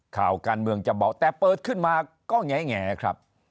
ข่าวการเมืองจะบอกแต่เปิดขึ้นมาก็แงครับ